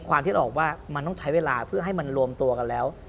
ที่ออกว่ามันต้องใช้เวลาเพื่อให้มันรวมตัวกันแล้ว